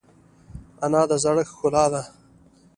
انا د زړښت ښکلا ده